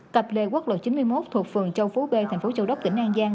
cặp lê quốc lộ chín mươi một thuộc phường châu phú b thành phố châu đốc tỉnh an giang